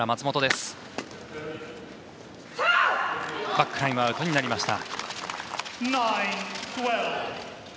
バックラインはアウトになりました。